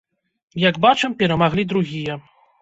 Як бачым, перамаглі другія.